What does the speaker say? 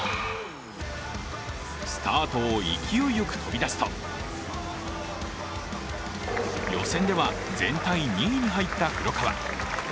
スタートを勢いよく飛び出すと予選では全体２位に入った黒川。